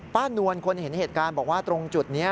นวลคนเห็นเหตุการณ์บอกว่าตรงจุดนี้